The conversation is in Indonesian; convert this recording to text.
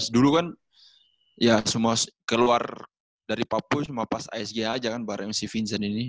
dulu kan ya semua keluar dari papua cuma pas isg aja kan bareng si vincent ini